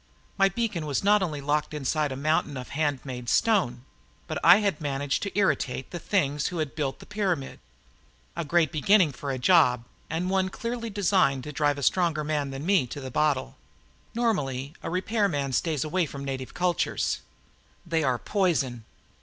My beacon was not only locked inside a mountain of handmade stone, but I had managed to irritate the things who had built the pyramid. A great beginning for a job and one clearly designed to drive a stronger man than me to the bottle. Normally, a repairman stays away from native cultures. They are poison.